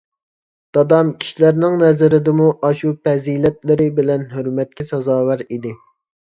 دادام كىشىلەرنىڭ نەزىرىدىمۇ ئاشۇ پەزىلەتلىرى بىلەن ھۆرمەتكە سازاۋەر ئىدى.